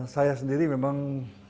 saya sendiri memang